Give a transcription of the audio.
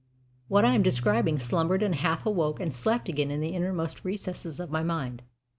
What I am describing slumbered and half awoke and slept again in the innermost recesses of my mind.